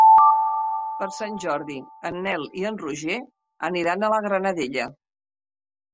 Per Sant Jordi en Nel i en Roger aniran a la Granadella.